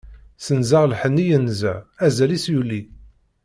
Senzeɣ lḥenni yenza, azal-is yuli.